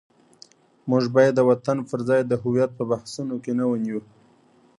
موږ باید د وطن پر ځای د هویت په بحثونو کې نه ونیو.